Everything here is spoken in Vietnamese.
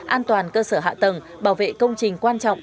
an toàn cơ sở hạ tầng bảo vệ công trình quan trọng